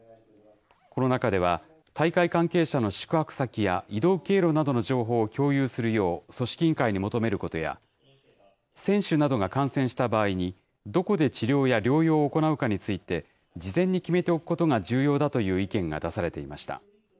この中では、大会関係者の宿泊先や、移動経路などの情報を共有するよう組織委員会に求めることや、選手などが感染した場合に、どこで治療や療養を行うかについて、事前に決めておくことが重要だという意見が出されていました。